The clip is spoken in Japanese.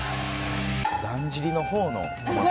だんじりの方の祭り